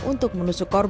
petunjuk unbel coworkers